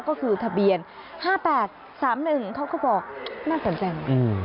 ก็คือทะเบียน๕๘๓๑เขาก็บอกน่าสนใจ